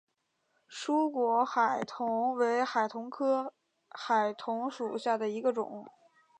疏果海桐为海桐科海桐属下的一个种。